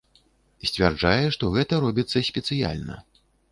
Сцвярджае, што гэта робіцца спецыяльна.